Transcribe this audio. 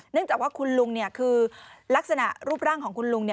จากว่าคุณลุงคือลักษณะรูปร่างของคุณลุง